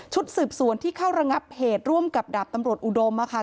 สืบสวนที่เข้าระงับเหตุร่วมกับดาบตำรวจอุดม